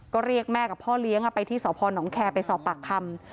ก็เรียกแม่กับพ่อเลี้ยงไปที่สพนแคร์ไปสอบปากคำ